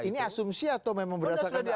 ini asumsi atau memang berdasarkan